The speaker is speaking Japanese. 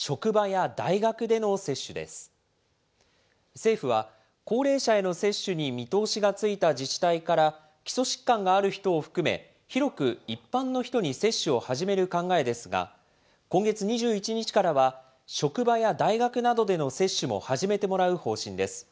政府は高齢者への接種に見通しがついた自治体から、基礎疾患がある人を含め、広く一般の人に接種を始める考えですが、今月２１日からは、職場や大学などでの接種も始めてもらう方針です。